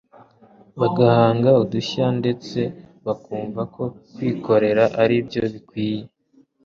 bagahanga udushya ndetse bakumva ko kwikorera ari byo bikwiye